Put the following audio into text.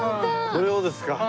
これをですか？